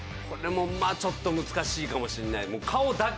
これもまあちょっと難しいかもしれない。